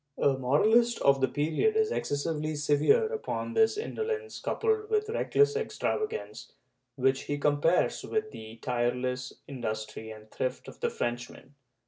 "^ A moralist of the period is excessively severe upon this indolence coupled with reckless extravagance, which he compares with the tireless industry and thrift of the Frenchman?